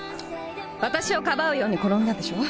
私をかばうように転んだでしょう？